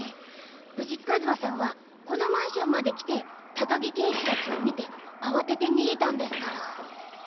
藤木一馬さんはこのマンションまで来て高木刑事達を見て慌てて逃げたんですから。